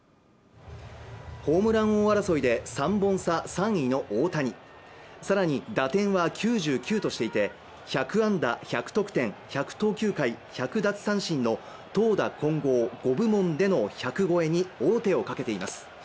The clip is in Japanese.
ホームラン王争いで３本差３位の大谷さらに打点は９９としていて１００安打１００得点１００投球回１００奪三振の投打５部門での１００号に王手をかけています